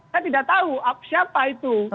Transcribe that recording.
saya tidak tahu siapa itu